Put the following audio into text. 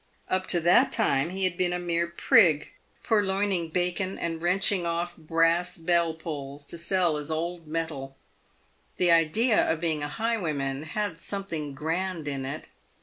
Up to that time he had been a mere prig, purloin ing bacon, and wrenching off brass bell pulls to sell as old metal. The idea of being a highwayman had something grand in it.